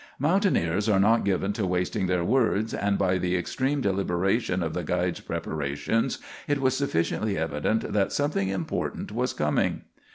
Mountaineers are not given to wasting their words, and by the extreme deliberation of the guide's preparations it was sufficiently evident that something important was coming.